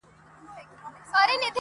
سوځېدل هم بې حکمته بې کماله نه دي یاره.